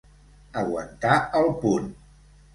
Aguantar el punt.